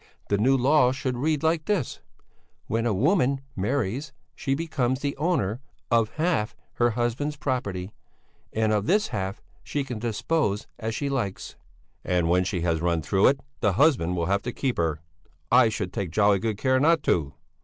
The new law should read like this: 'When a woman marries she becomes the owner of half her husband's property, and of this half she can dispose as she likes.'" "And when she has run through it, the husband will have to keep her! I should take jolly good care not to."